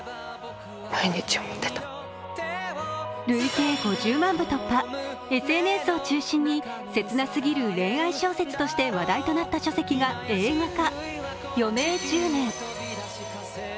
累計５０万部突破、ＳＮＳを中心に切なすぎる恋愛小説として話題となった書籍が映画化